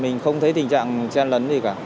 mình không thấy tình trạng chen lấn gì cả